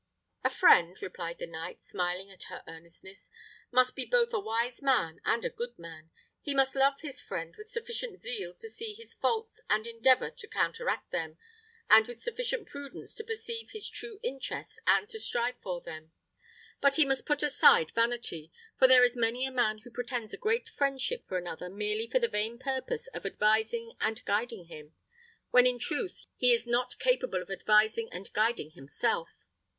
"A friend," replied the knight, smiling at her earnestness, "must be both a wise man and a good man. He must love his friend with sufficient zeal to see his faults and endeavour to counteract them, and with sufficient prudence to perceive his true interests and to strive for them. But he must put aside vanity; for there is many a man who pretends a great friendship for another merely for the vain purpose of advising and guiding him, when, in truth, he is not capable of advising and guiding himself.